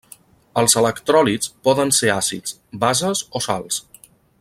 Els electròlits poden ser àcids, bases o sals.